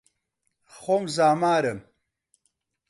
خۆم زامارم